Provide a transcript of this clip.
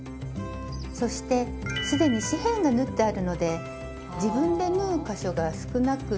そして既に四辺が縫ってあるので自分で縫う箇所が少なく済むんですよね。